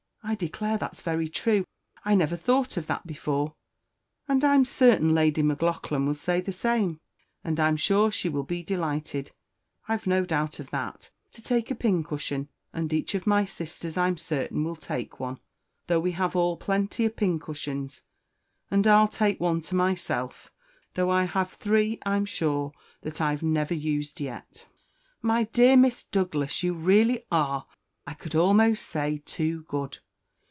"I declare that's very true. I never thought of that before; and I'm certain Lady Maclaughlan will say the very same; and I'm sure she will be delighted I've no doubt of that to take a pincushion; and each of my sisters I'm certain, will take one, though we have all plenty of pincushions; and I'll take one to myself, though I have three, I'm sure, that I've never used yet." "My dear Miss Douglas, you really are, I could almost say, too good.